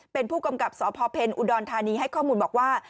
เป็นผู้กำกับสพเพ็ญอุดรธานีให้ข้อมูลบอกว่า